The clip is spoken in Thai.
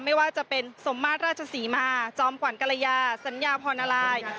ไม่ว่าจะเป็นสมมาตรราชศรีมาจอมขวัญกรยาสัญญาพรนาราย